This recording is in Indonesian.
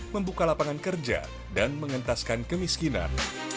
membuka lapangan kerja dan mengentaskan kemiskinan